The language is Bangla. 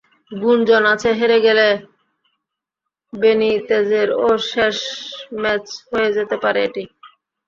গুঞ্জন আছে, হেরে গেলে বেনিতেজেরও শেষ ম্যাচ হয়ে যেতে পারে এটি।